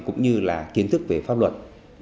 cũng như là kiến thức về pháp luật